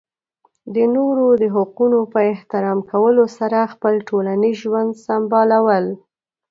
د نورو د حقونو په احترام کولو سره خپل ټولنیز ژوند سمبالول.